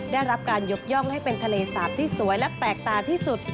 ได้รับการยกย่องให้เป็นทะเลสาบที่สวยและแปลกตาที่สุด